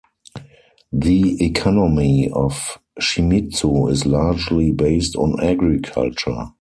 The economy of Shimizu is largely based on agriculture.